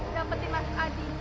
dapetin mas adi